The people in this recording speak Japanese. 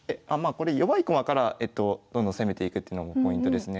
これ弱い駒からどんどん攻めていくっていうのもポイントですね。